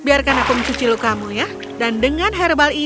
aku penolongmu bukan makananmu